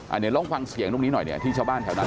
อันนี้ลองฟังเสียงตรงนี้หน่อยที่ชาวบ้านแถวนั้น